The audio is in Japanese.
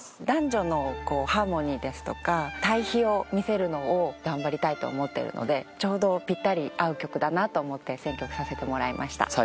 男女のハーモニーですとか対比を見せるのを頑張りたいと思ってるのでちょうどピッタリ合う曲だなと思って選曲させてもらいました。